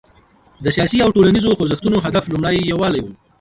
د سیاسي او ټولنیزو خوځښتونو هدف لومړی یووالی و.